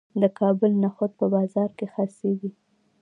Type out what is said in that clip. د کابل نخود په بازار کې خرڅیږي.